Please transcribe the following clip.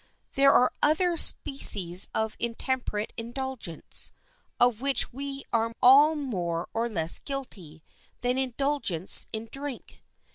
There are other species of intemperate indulgence, of which we are all more or less guilty, than indulgence in drink.